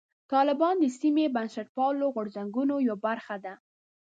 طالبان د سیمې بنسټپالو غورځنګونو یوه برخه ده.